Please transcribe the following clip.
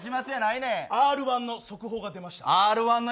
Ｒ−１の速報が出ました。